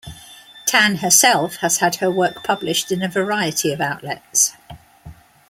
Tan herself has had her work published in a variety of outlets.